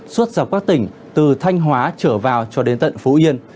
suốt dọc các tỉnh từ thanh hóa trở vào cho đến tận phú yên